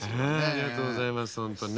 ありがとうございます本当にね。